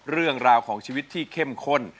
เรื่องราวของชีวิตที่เข้มข้น